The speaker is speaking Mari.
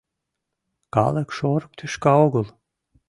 Калык — шорык тӱшка огыл.